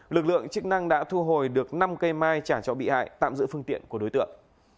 lực lượng chức năng đã thu hồi được năm cây mai trả cho bị hại tạm giữ phương tiện của đối tượng